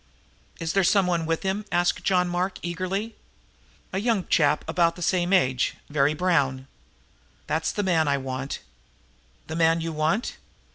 "Is there someone with him?" asked John Mark eagerly. "A young chap about the same age very brown." "That's the man I want!" "The man you want?"